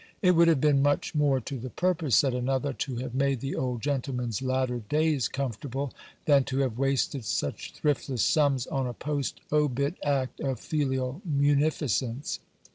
It would have been much mc re to the purpose, said another, to have made the old gentleman's latter days comfortable, than to have wasted such thriftless sums on a post obit act of filial munificence.